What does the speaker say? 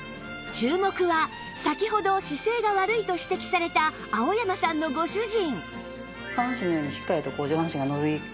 注目は先ほど姿勢が悪いと指摘された青山さんのご主人